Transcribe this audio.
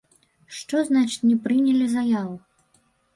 Што значыць не прынялі заяву?